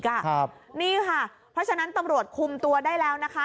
ค่ะนี่ค่ะเพราะฉะนั้นตำรวจคุมตัวได้แล้วนะคะ